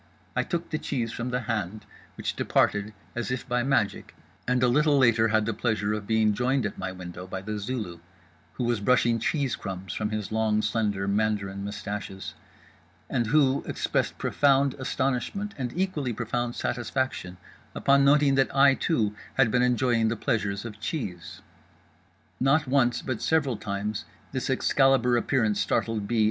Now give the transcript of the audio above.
I took the cheese from the hand, which departed as if by magic; and a little later had the pleasure of being joined at my window by The Zulu, who was brushing cheese crumbs from his long slender Mandarin mustaches, and who expressed profound astonishment and equally profound satisfaction upon noting that I too had been enjoying the pleasures of cheese. Not once, but several times, this Excalibur appearance startled B.